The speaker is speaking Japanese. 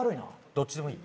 どっちでもいい。